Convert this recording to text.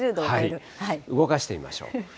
動かしてみましょう。